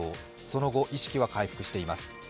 その後、意識は回復しています。